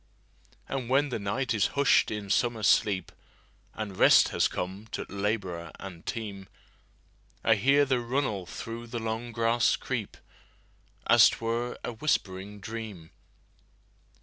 And when the night is hush'd in summer sleep, And rest has come to laborer and team,I hear the runnel through the long grass creep, As 't were a whispering dream.